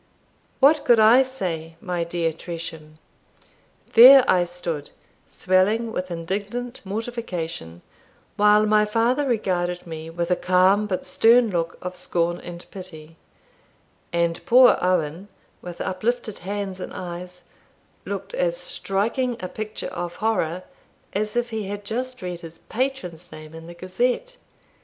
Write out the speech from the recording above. What could I say, my dear Tresham? There I stood, swelling with indignant mortification, while my father regarded me with a calm but stern look of scorn and pity; and poor Owen, with uplifted hands and eyes, looked as striking a picture of horror as if he had just read his patron's name in the Gazette.